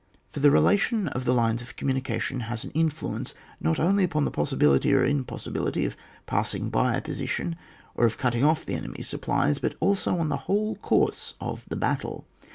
For the relation of the lines of commu nication has an influence not only upon the possibility or impossibility of passing by a position or of cutting off the enemy's supplies, but also on the whole course of the battle.